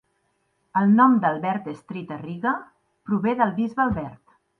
El nom d'Albert Street a Riga prové del bisbe Albert.